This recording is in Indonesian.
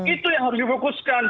itu yang harus difokuskan